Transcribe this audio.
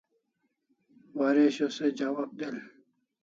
Waresho se jawab del